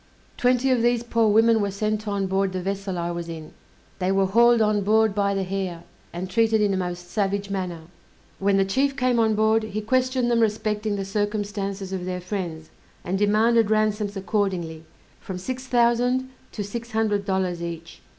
Twenty of these poor women were sent on board the vessel I was in; they were hauled on board by the hair, and treated in a most savage manner. When the chief came on board, he questioned them respecting the circumstances of their friends, and demanded ransoms accordingly, from six thousand to six hundred dollars each.